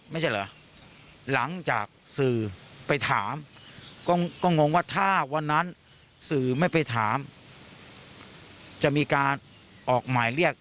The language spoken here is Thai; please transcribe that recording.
ไม่ใช่เหรอหลังจากสื่อไปถามก็งงว่าถ้าวันนั้นสื่อไม่ไปถามจะมีการออกหมายเรียก